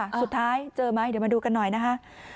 สุดท้ายเจอไหมเดี๋ยวมาดูกันหน่อยนะคะ